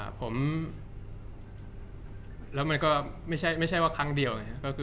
จากความไม่เข้าจันทร์ของผู้ใหญ่ของพ่อกับแม่